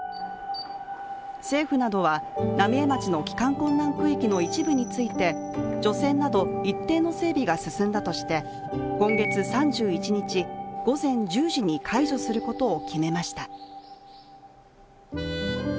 政府などは、浪江町の帰還困難区域の一部について除染など一定の整備が進んだとして、今月３１日午前１０時に解除することを決めました。